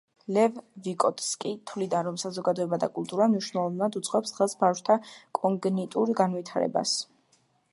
ლევ ვიგოტსკი თვლიდა, რომ საზოგადოება და კულტურა მნიშვნელოვნად უწყობს ხელს ბავშვთა კოგნიტურ განვითარებას.